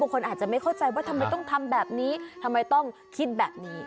คนอาจจะไม่เข้าใจว่าทำไมต้องทำแบบนี้ทำไมต้องคิดแบบนี้